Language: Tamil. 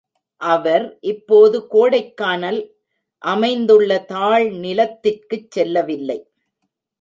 அவர் இப்போது கோடைக்கானல் அமைந்துள்ள தாழ்நிலத்திற்குச் செல்லவில்லை.